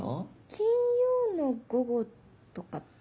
金曜の午後とかって。